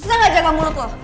susah gak jaga mulut lo